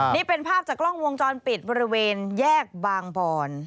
นี่เป็นภาพจากกล้องวงจรปิดบริเวณแยกบางบอน